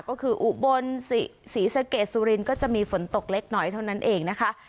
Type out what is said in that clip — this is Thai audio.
ก็คืออุบลศรีสะเกดสุรินทร์ก็จะมีฝนตกเล็กน้อยเท่านั้นเองนะคะ